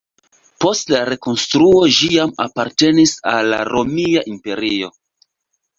Post la rekonstruo ĝi jam apartenis al la Romia Imperio.